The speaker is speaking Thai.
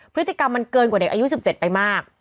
พฤติกรรมมันเกินกว่าเด็กอายุ๑๗ไปมาก